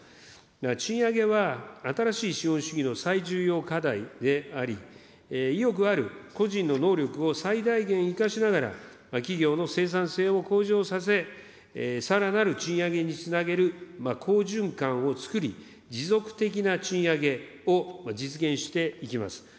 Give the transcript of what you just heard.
賃上げは新しい資本主義の最重要課題であり、意欲ある個人の能力を最大限生かしながら、企業の生産性を向上させ、さらなる賃上げにつなげる好循環を作り、持続的な賃上げを実現していきます。